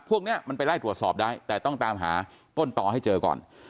พวกนี้มันไปไล่ตรวจสอบได้แต่ต้องตามหาต้นต่อให้เจอก่อน